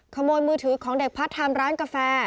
ขโมยมือถือของเด็กพาร์ทไทม์ร้านกาแฟ